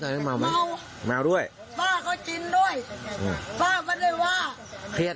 เมาไหมเมาเมาด้วยป้าก็กินด้วยป้าไม่ได้ว่าเครียด